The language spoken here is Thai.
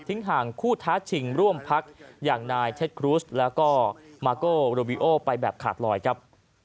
ห่างคู่ท้าชิงร่วมพักอย่างนายเท็จครูสแล้วก็มาโก้โรบิโอไปแบบขาดลอยครับ